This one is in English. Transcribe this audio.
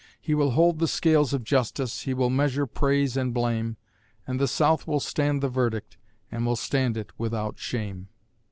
He will hold the Scales of Justice, he will measure praise and blame, And the South will stand the verdict, and will stand it without shame.